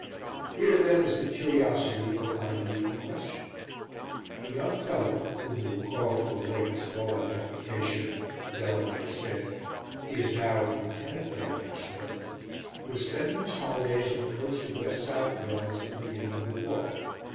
Here, then, is the curiosity or oddity in question. A young fellow, whom we will call for avoidance of all identification Delamere Smith he is now Lieutenant Delamere Smith was spending his holidays on the coast of west South Wales at the beginning of the war.